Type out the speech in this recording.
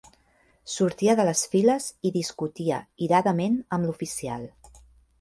...sortia de les files i discutia iradament amb l'oficial.